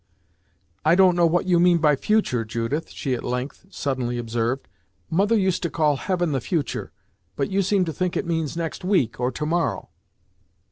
"I don't know what you mean by 'future', Judith," she at length, suddenly observed. "Mother used to call Heaven the future, but you seem to think it means next week, or to morrow!"